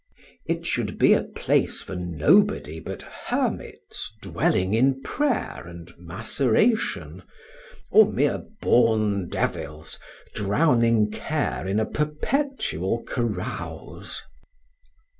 It should be a place for nobody but hermits dwelling in prayer and maceration, or mere born devils drowning care in a perpetual carouse.